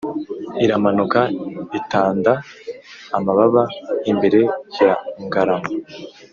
Iramanuka, itanda amababa imbere ya Ngarama.